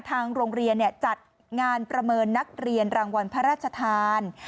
ทางโรงเรียนจัดงานประเมินนักเรียนรางวัลพระราชทาน